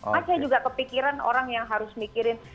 masa juga kepikiran orang yang harus mikirin